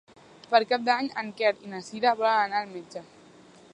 Per Cap d'Any en Quer i na Cira volen anar al metge.